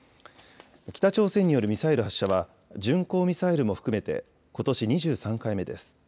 北朝鮮によるミサイル発射は、巡航ミサイルも含めて、ことし２３回目です。